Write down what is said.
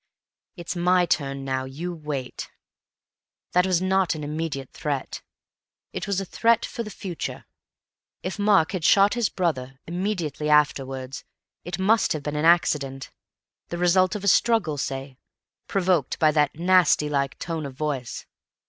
"It's my turn now; you wait." That was not an immediate threat;—it was a threat for the future. If Mark had shot his brother immediately afterwards it must have been an accident, the result of a struggle, say, provoked by that "nasty like" tone of voice.